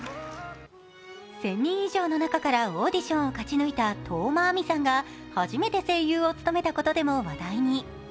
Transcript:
１０００人以上の中からオーディションを勝ち抜いた當真あみさんが初めて声優を務めたことでも話題に。